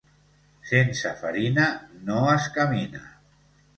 Sense farina no es camina.